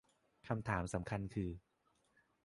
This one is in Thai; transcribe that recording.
คำถามสำคัญคือ